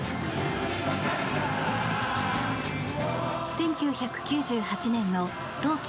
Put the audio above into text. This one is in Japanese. １９９８年の冬季